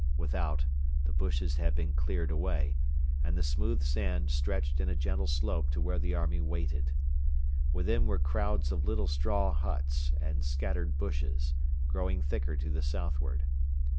Without, the bushes had been cleared away, and the smooth sand stretched in a gentle slope to where the army waited. Within were crowds of little straw huts and scattered bushes, growing thicker to the southward.